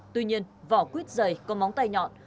tuy nhiên vỏ quyết giày con móng tay nhọn